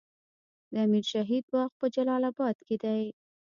د امیر شهید باغ په جلال اباد کې دی